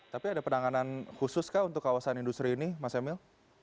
tapi ada penanganan khusus kah untuk kawasan industri ini mas emil